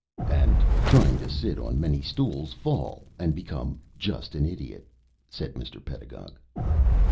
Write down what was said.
"And, trying to sit on many stools, fall and become just an Idiot," said Mr. Pedagog.